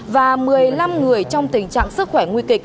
và một mươi năm người trong tình trạng sức khỏe nguy kịch